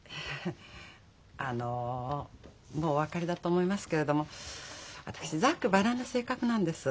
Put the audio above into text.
あのもうお分かりだと思いますけれども私ざっくばらんな性格なんです。